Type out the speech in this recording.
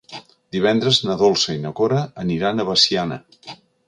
Divendres na Dolça i na Cora aniran a Veciana.